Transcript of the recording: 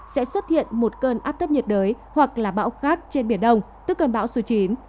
sẽ xuất hiện một cơn áp thấp nhiệt đới hoặc là bão khác trên biển đông tức cơn bão số chín